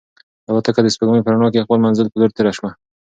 الوتکه د سپوږمۍ په رڼا کې د خپل منزل په لور تېره شوه.